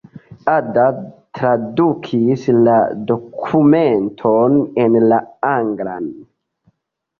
Ada tradukis la dokumenton en la anglan.